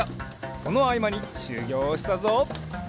そのあいまにしゅぎょうをしたぞ。